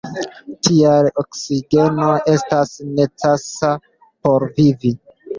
Tial, oksigeno estas necesa por vivi.